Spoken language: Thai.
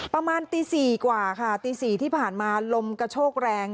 ประมาณตี๔กว่าค่ะตี๔ที่ผ่านมาลมกระโชกแรง